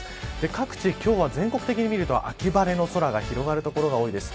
各地、今日は全国的に見ると秋晴れの空が広がる所が多いです。